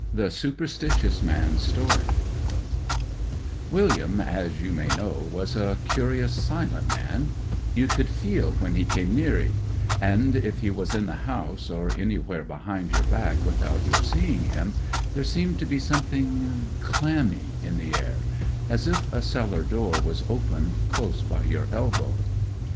THE SUPERSTITIOUS MAN'S STORY 'William, as you may know, was a curious, silent man; you could feel when he came near 'ee; and if he was in the house or anywhere behind your back without your seeing him, there seemed to be something clammy in the air, as if a cellar door was opened close by your elbow.